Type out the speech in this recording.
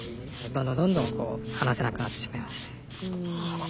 どんどんどんどんこう話せなくなってしまいましたね。